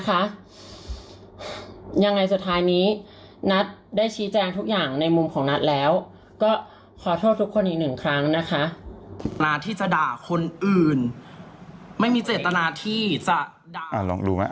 แอรี่แอรี่แอรี่แอรี่แอรี่แอรี่